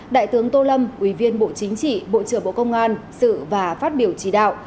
đại tướng tô lâm ủy viên bộ chính trị bộ trưởng bộ công an sự và phát biểu chỉ đạo